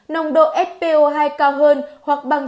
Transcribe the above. nồng độ spo hai cao hơn hoặc bằng chín mươi sáu